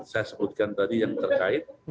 saya sebutkan tadi yang terkait